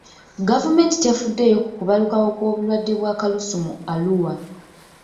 Gavumenti tefuddeeyo ku kubalukawo kw'obulwadde bwa kalusu mu Arua.